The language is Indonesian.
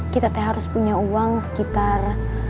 dede teh harus punya uang sekitar